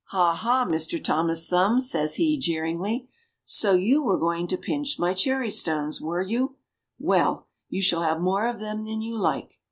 "Ha! Ha! Mr. Thomas Thumb," says he jeeringly, *' so you were going to pinch my cherry stones, were you ? Well ! you shall have more of them than you like."